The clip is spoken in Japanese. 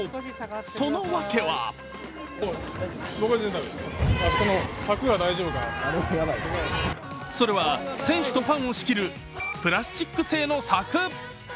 その訳はそれは選手とファンを仕切るプラスチック製の柵。